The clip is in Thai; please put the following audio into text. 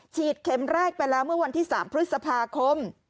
เข็มแรกไปแล้วเมื่อวันที่๓พฤษภาคม